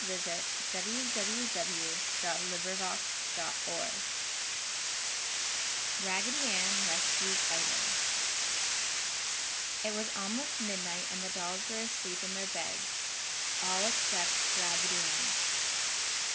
RAGGEDY ANN RESCUES FIDO It was almost midnight and the dolls were asleep in their beds; all except Raggedy Ann.